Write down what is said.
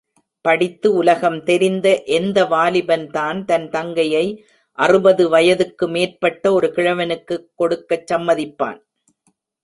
படித்து உலகம் தெரிந்த எந்த வாலிபன்தான் தன் தங்கையை அறுபது வயதுக்கு மேற்பட்ட ஒரு கிழவனுக்குக் கொடுக்கச் சம்மதிப்பான்?